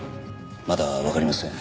まだわかりません。